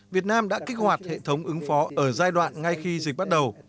việt nam đã kích hoạt hệ thống ứng phó ở giai đoạn ngay khi dịch bắt đầu